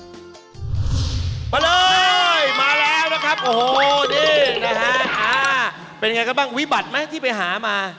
พี่ลิงไปเลยมาแล้วนะครับโอ้โฮดีนะฮะเป็นไงกันบ้างวิบัตรไหมที่ไปหามา